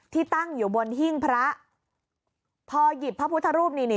ที่ตั้งอยู่บนหิ้งพระพอหยิบพระพุทธรูปนี่นี่